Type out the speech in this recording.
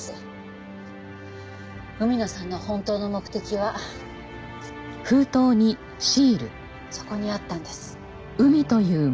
海野さんの本当の目的はそこにあったんです。